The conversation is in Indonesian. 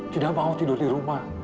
tidak mau tidur di rumah